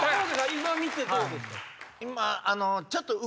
今見てどうですか？